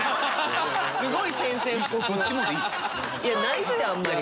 いやないってあんまり。